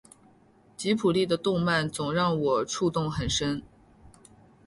吉卜力的动漫总让我触动很深